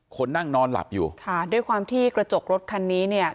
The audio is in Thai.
คนนั่งนอนหลับอยู่ค่ะด้วยความที่กระจกรถคันนี้เนี่ย